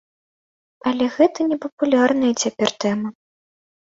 Але гэта непапулярная цяпер тэма.